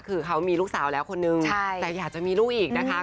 คือเขามีลูกสาวแล้วคนนึงแต่อยากจะมีลูกอีกนะคะ